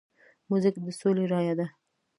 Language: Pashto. موزیک د سولې رایه ده.